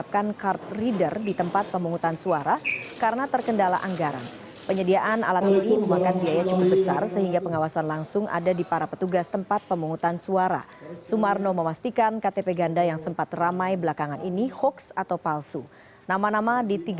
pertemuan ini juga dihadiri kapolda metro jaya teddy laksemana